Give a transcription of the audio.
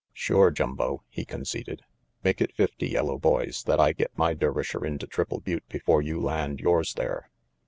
"Sure, Jumbo," he conceded, "make it fifty yellow boys that I get my Dervisher into Triple Butte before you land yours there.